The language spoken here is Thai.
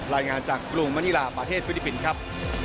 รายงานจากกรุงมันทีระบาทเพศฟสิปปินส์